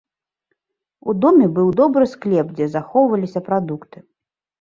У доме быў добры склеп, дзе захоўваліся прадукты.